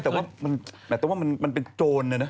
หมายถึงว่ามันเป็นโจรเนี่ยนะ